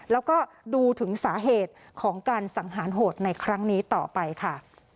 แล้วก็ดูถึงสาเหตุของการสังหารโหดในครั้งนี้ต่อไปค่ะ